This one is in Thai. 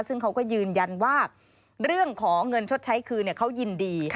ซึ่งเขาก็ยืนยันว่าเรื่องของเงินชดใช้คืนเขายินดี